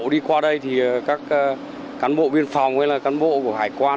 đi qua đây thì các cán bộ biên phòng hay là cán bộ của hải quan